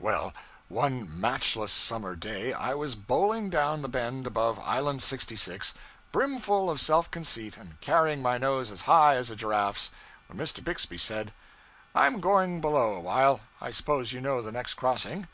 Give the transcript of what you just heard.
Well, one matchless summer's day I was bowling down the bend above island 66, brimful of self conceit and carrying my nose as high as a giraffe's, when Mr. Bixby said 'I am going below a while. I suppose you know the next crossing?'